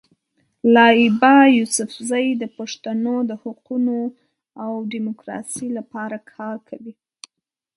لایبا یوسفزۍ د پښتنو د حقونو او ډیموکراسۍ لپاره کار کړی.